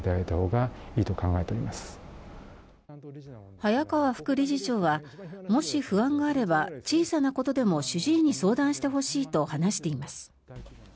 早川副理事長はもし不安があれば小さなことでも主治医に相談してほしいと話しています。